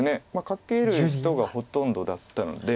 カケる人がほとんどだったので。